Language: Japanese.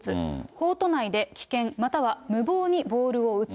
コート内で危険、または無謀にボールを打つ。